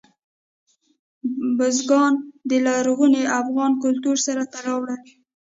بزګان د لرغوني افغان کلتور سره تړاو لري.